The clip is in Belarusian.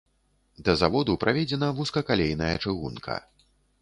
Да заводу праведзена вузкакалейная чыгунка.